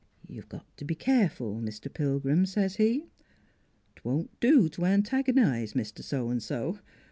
' You got to be careful, Mr. Pilgrim,' says he ;' 'twon't do to antagonize Mr. So an' so.